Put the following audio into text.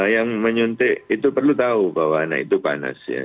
yang menyuntik itu perlu tahu bahwa anak itu panas ya